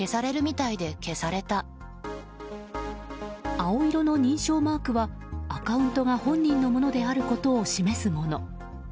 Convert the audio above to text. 青色の認証マークはアカウントが本人のものであることを示すもの。